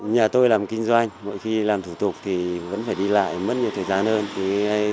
nhà tôi làm kinh doanh mỗi khi làm thủ tục thì vẫn phải đi lại mất nhiều thời gian hơn